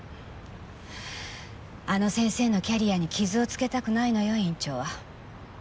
あの先生のキャリアに傷をつけたくないのよ院長は。